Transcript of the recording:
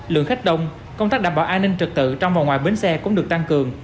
lượng khách đông công tác đảm bảo an ninh trật tự trong và ngoài bến xe cũng được tăng cường